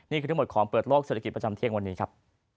นี่คือทั้งหมดของเปิดโลกเศรษฐกิจประจำเที่ยงวันนี้ครับ